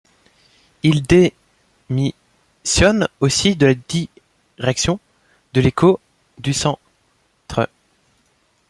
Il démissionne aussi de la direction de l'Écho du Centre.